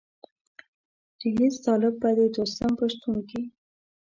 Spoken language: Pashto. چې هېڅ طالب به د دوستم په شتون کې.